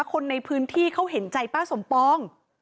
คนในพื้นที่เขาเห็นใจป้าสมปอง